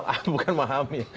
ah bukan memahami